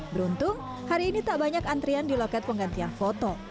beruntung hari ini tak banyak antrian di loket penggantian foto